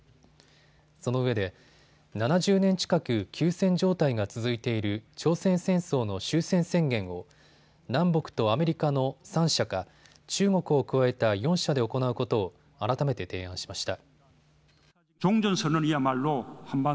そのうえで７０年近く休戦状態が続いている朝鮮戦争の終戦宣言を南北とアメリカの３者か中国を加えた４者で行うことを改めて提案しました。